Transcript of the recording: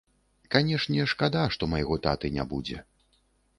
Канечне, шкада, што майго таты не будзе.